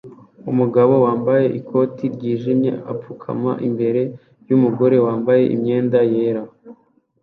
Umugabo wambaye ikoti ryijimye apfukama imbere yumugore wambaye imyenda yera